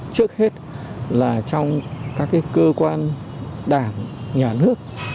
trước hết là trong các cơ quan đảng nhà nước